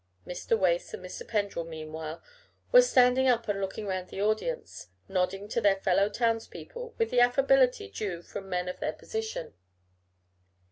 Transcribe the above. Mr. Wace and Mr. Pendrell meanwhile were standing up and looking round at the audience, nodding to their fellow townspeople with the affability due from men in their position.